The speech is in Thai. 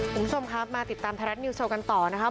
คุณผู้ชมครับมาติดตามไทยรัฐนิวโชว์กันต่อนะครับ